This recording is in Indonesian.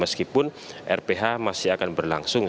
nah kalau kemudian putusan itu maka itu akan berlangsung